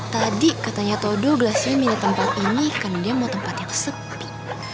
tadi katanya todo gelasio minta tempat ini kan dia mau tempat yang sepi